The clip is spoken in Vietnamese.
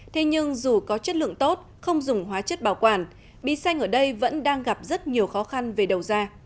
thế nhưng dù có chất lượng tốt không dùng hóa chất bảo quản bí xanh ở đây vẫn đang gặp rất nhiều khó khăn về đầu ra